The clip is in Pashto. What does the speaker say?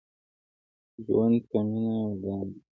ژوند په مينه ودان دې